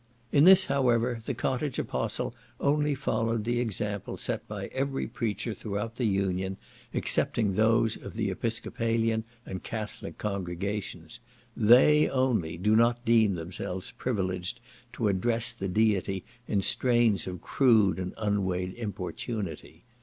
In this, however, the cottage apostle only followed the example set by every preacher throughout the Union, excepting those of the Episcopalian and Catholic congregations; THEY only do not deem themselves privileged to address the Deity in strains of crude and unweighed importunity.